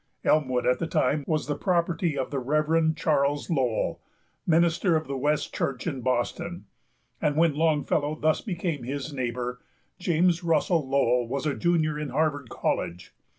Elmwood at that time was the property of the Reverend Charles Lowell, minister of the West Church in Boston, and when Longfellow thus became his neighbor, James Russell Lowell was a junior in Harvard College.